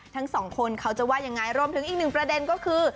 ทั้งสองคนเขาจะว่ายังไงรวมถึงอีกหนึ่งประเด็นก็คือ